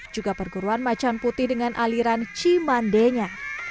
juga perguruan macan putih dengan aliran cimandenya